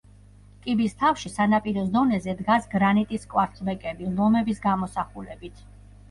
კიბის თავში სანაპიროს დონეზე დგას გრანიტის კვარცხლბეკები ლომების გამოსახულებით.